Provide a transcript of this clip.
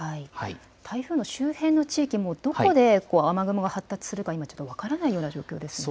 台風の周辺の地域もどこで雨雲が発達するか今分からないような状況ですよね。